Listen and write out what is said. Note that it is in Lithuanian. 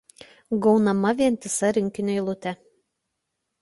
Gaunama vientisa rinkinio eilutė.